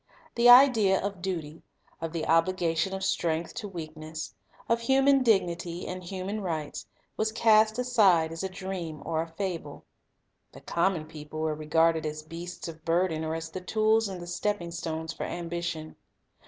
The idea of duty, of the obligation of strength to weakness, of human dignity and human rights, was cast aside as a dream or a fable. The com mon people were regarded as beasts of burden or as the tools and the stepping stones for ambition.